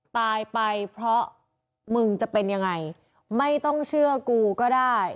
ตายไปเพราะมึงจะเป็นยังไงไม่ต้องเชื่อกูก็ได้